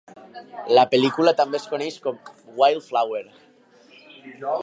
La pel·lícula també es coneix com "Wild Flower".